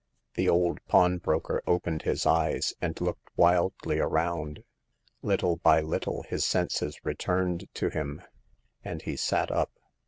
The old pawnbroker opened his eyes and looked wildly around. Little by little his senses returned to him, and he sat up.